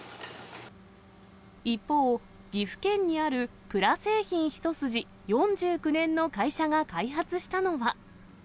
一方、岐阜県にあるプラ製品一筋４９年の会社が開発したのは。